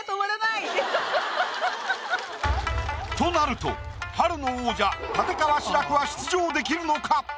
となると春の王者立川志らくは出場できるのか？